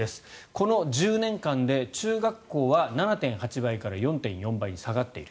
この１０年間で中学校は７．８倍から４．４倍に下がっている。